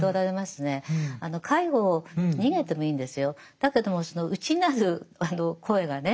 だけどもその内なる声がね